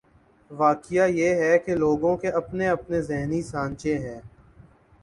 واقعہ یہ ہے کہ لوگوں کے اپنے اپنے ذہنی سانچے ہیں۔